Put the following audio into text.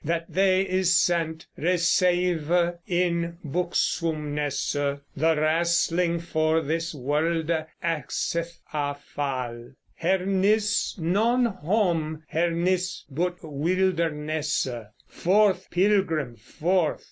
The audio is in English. That thee is sent, receyve in buxumnesse, The wrastling for this worlde axeth a fal. Her nis non hoom, her nis but wildernesse: Forth, pilgrim, forth!